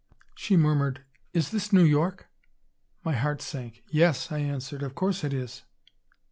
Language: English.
She murmured, "Is this New York?" My heart sank. "Yes," I answered. "Of course it is."